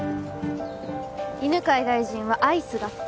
犬飼大臣はアイスが好き。